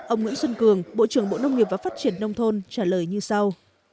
ông nguyễn xuân cường bộ trưởng bộ nông nghiệp và phát triển nông thôn trả lời như sau